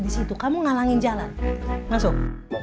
disitu kamu ngalangin jalan masuk